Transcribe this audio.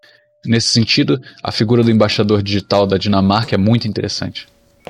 Nesse sentido, a figura do embaixador digital da Dinamarca é muito interessante.